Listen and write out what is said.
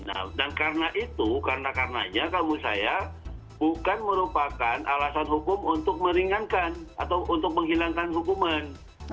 nah dan karena itu karena karenanya kamu saya bukan merupakan alasan hukum untuk meringankan atau untuk menghilangkan hukuman